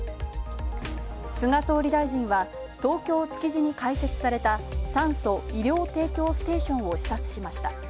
菅総理大臣は、東京・築地に開設された酸素・医療提供ステーションを視察しました。